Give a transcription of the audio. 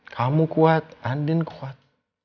kamu kuat andin kuat